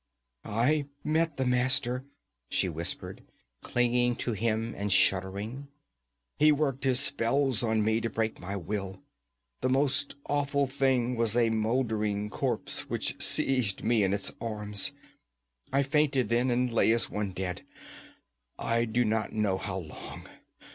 'I met the Master,' she whispered, clinging to him and shuddering. 'He worked his spells on me to break my will. The most awful thing was a moldering corpse which seized me in its arms I fainted then and lay as one dead, I do not know how long.